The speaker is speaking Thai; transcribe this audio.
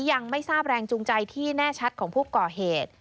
ยังไม่ทราบแรงจูงใจที่แน่ชัดของผู้ก่อเหตุ